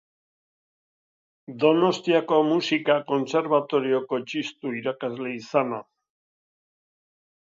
Donostiako Musika Kontserbatorioko Txistu irakasle izana.